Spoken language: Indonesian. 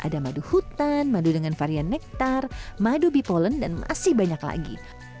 ada madu hutan madu dengan varian nektar madu bipolen dan masih banyak lagi